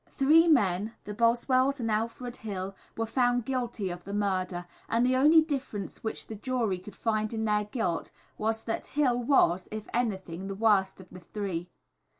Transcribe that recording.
Three men, the Boswells and Alfred Hill, were found guilty of the murder, and the only difference which the jury could find in their guilt was that Hill was, if anything, the worst of the three.